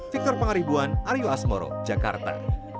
victor pengaribuan aryo asmoro jakarta